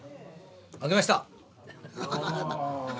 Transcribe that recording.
負けました。